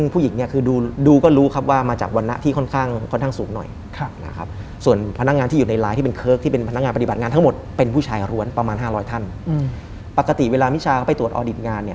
ปกติเวลามิชาเขาไปตรวจออดิตงานเนี่ย